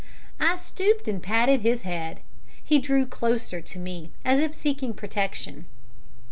I stooped and patted his head. He drew closer to me, as if seeking protection.